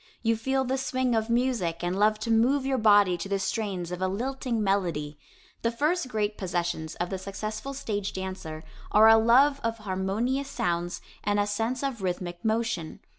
You feel the swing of music and love to move your body to the strains of a lilting melody. The first great possessions of the successful stage dancer are a love of harmonious sounds and a sense of rhythmic motion.